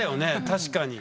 確かに。